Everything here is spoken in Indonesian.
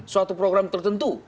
suatu program tertentu